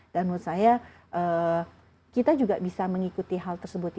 dan menurut saya kita juga bisa mengikuti hal hal